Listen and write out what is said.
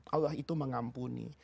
allah itu mengampuni